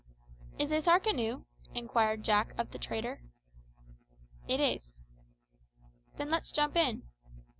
"Is this our canoe?" inquired Jack of the trader. "It is." "Then let's jump in."